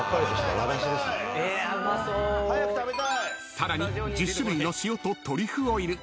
［さらに１０種類の塩とトリュフオイル］